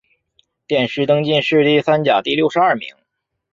殿试登进士第三甲第六十二名。